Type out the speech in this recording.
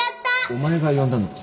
お前が呼んだのか？